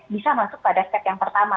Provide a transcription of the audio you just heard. bisa masuk pada step yang pertama